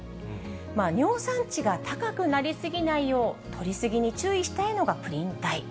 尿酸値が高くなり過ぎないよう、とり過ぎに注意したいのがプリン体。